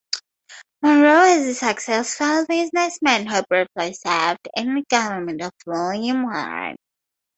Monroe was a successful businessman who briefly served in the government of William Warren.